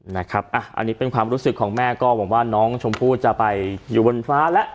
นะครับอันนี้เป็นความรู้สึกของแม่ก็หวังว่าน้องชมพู่จะไปอยู่บนฟ้าแล้ว